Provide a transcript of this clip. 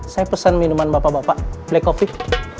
saya pesan minuman bapak bapak black coffee